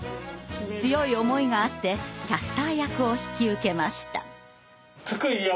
強い思いがあってキャスター役を引き受けました。